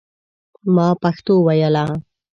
ما پښتو ویله.